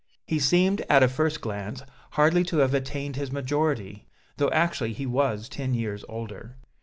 He seemed, at a first glance, hardly to have attained his majority, though actually he was ten years older.